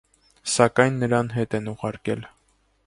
Սակայն նրան հետ են ուղարկել։